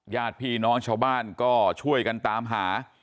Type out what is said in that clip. ญาติพี่น้องชาวบ้านก็ช่วยกันตามหา